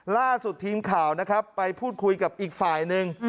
ล่าสุดทีมข่าวไปพูดคุยกับอีกฝ่ายนึง